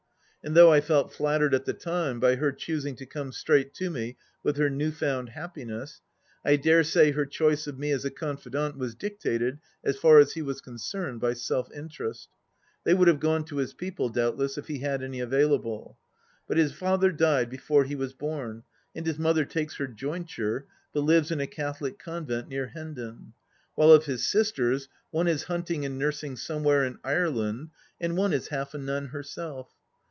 And though I felt flattered at the time by her choosing to come straight to me with her new found happiness, I dare say her choice of me as a confidante was dictated, as far as he was concerned, by self interest. They would have gone to his people, doubtless, if he had any available. But his father died before he was born, and his mother takes her jointure, but lives in a Catholic convent near Hendon; while of his sisters, one is hunting and nursing somewhere in Ireland and one is half a nun herself.